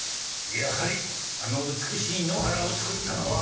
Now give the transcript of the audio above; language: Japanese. やはりあの美しい野原をつくったのは。